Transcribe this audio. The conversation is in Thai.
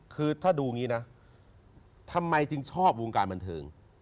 คือถ้าดูอย่างนี้นะทำไมจึงชอบวงการบันเทิง